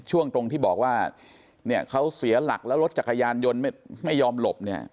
ช่วงตรงที่บอกว่าเนี่ยเขาเสียหลักแล้วรถจักรยานยนต์ไม่ยอมหลบเนี่ย